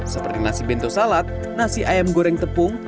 seperti nasi bento salad nasi ayam goreng tepung